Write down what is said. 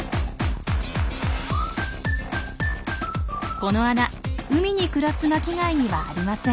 この穴海に暮らす巻貝にはありません。